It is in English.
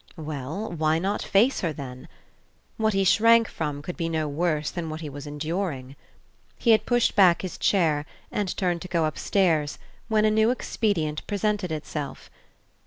Well why not face her, then? What he shrank from could be no worse than what he was enduring. He had pushed back his chair and turned to go upstairs when a new expedient presented itself.